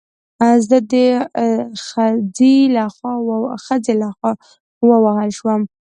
زه د خځې له خوا ووهل شوم